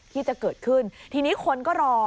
ที่จะเกิดขึ้นทีนี้คนก็รอ